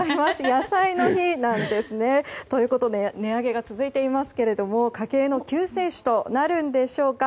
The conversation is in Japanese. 野菜の日なんです。ということで値上げが続いていますが家計の救世主となるんでしょうか。